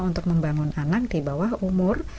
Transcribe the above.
untuk membangun anak di bawah umur